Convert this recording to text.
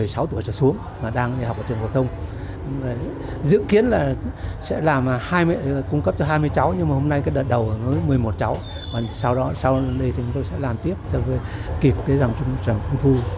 sau này chúng tôi sẽ làm tiếp cho kịp ròng trung thu